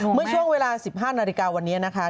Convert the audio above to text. เมื่อช่วงเวลา๑๕นาฬิกาวันนี้นะคะ